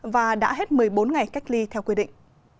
và đã hết một mươi bốn ngày cách ly theo quy định